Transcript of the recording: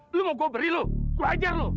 lu mau gue beri lu gue ajar lu